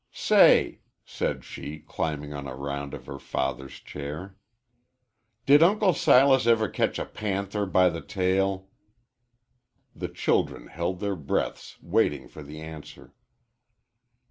"Say," said she, climbing on a round of her father's chair, "did Uncle Silas ever ketch a panther by the tail?" The children held their breaths waiting for the answer.